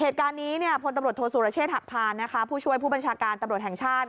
เหตุการณ์นี้พลตำรวจโทษสุรเชษฐหักพานนะคะผู้ช่วยผู้บัญชาการตำรวจแห่งชาติ